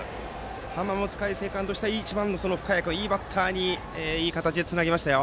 浜松開誠館としては１番の深谷君にいい形でつなぎましたよ。